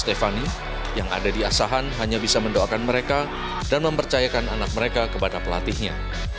stephani yang ada di asahan hanya bisa mendoakan mereka dan mempercayakan anak mereka kepada pelatihnya